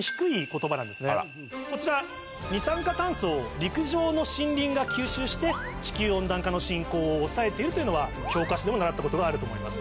こちら二酸化炭素を陸上の森林が吸収して地球温暖化の進行を抑えているというのは教科書でも習ったことがあると思います。